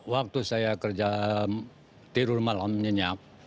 waktu saya kerja tidur malam nyenyap